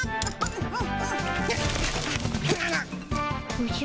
おじゃ？